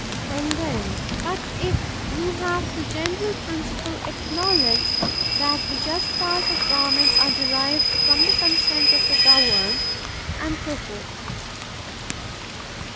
and then—"But if you have the general principle acknowledged that the just powers of government are derived from the consent of the governed." ... and so forth.